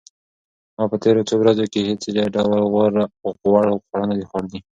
ما په تېرو څو ورځو کې هیڅ ډول غوړ خواړه نه دي خوړلي.